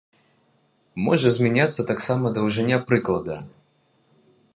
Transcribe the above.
Можа змяняцца таксама даўжыня прыклада.